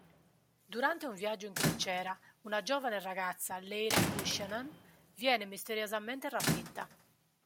Durante un viaggio in crociera una giovane ragazza, Leila Buchanan, viene misteriosamente rapita.